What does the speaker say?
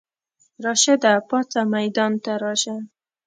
راشده پاڅه ميدان ته راشه!